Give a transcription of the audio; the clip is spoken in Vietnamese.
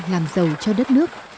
làm giàu cho đất nước